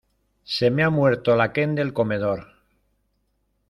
Se me ha muerto la Kent del comedor.